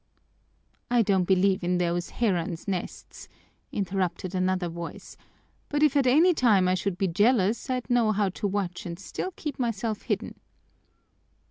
"I don't believe in those herons' nests," interrupted another voice, "but if at any time I should be jealous, I'd know how to watch and still keep myself hidden."